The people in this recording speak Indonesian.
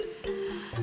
mas saya mau disuruh